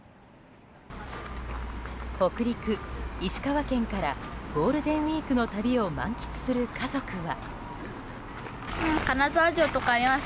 北陸・石川県からゴールデンウィークの旅を満喫する家族は。